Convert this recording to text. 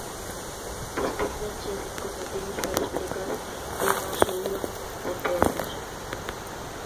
Distínguense cinco motivos para explicar unha suba de prezos.